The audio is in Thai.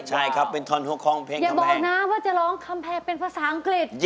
ใช่ครับเป็นท่อนทูฮกครองเพลงคำแพง